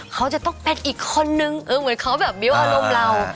เขาจะต้องเป็นอีกคนนึงเหมือนเขาแบบบิ้วอารมณ์เรา